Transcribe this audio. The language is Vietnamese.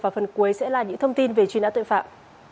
và phần cuối sẽ là những thông tin về truy nã tội phạm